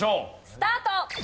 スタート！